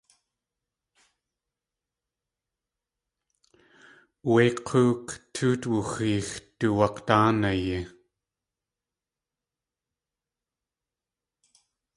Wé k̲óok tóot wooxeex du wak̲dáanayi.